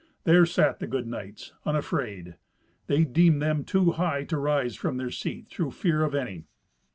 There sat the good knights unafraid. They deemed them too high to rise from their seat through fear of any.